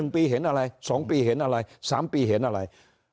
๑ปีเห็นอะไร๒ปีเห็นอะไร๓ปีเห็นอะไร